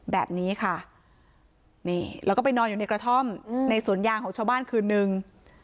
แบบนี้ค่ะนี่แล้วก็ไปนอนอยู่ในกระท่อมในสวนยางของชาวบ้านคืนนึง